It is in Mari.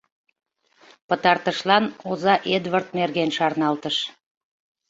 — пытартышлан оза Эдвард нерген шарналтыш.